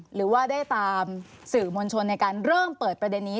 หรือว่าได้ตามสื่อมวลชนในการเริ่มเปิดประเด็นนี้